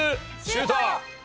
シュート！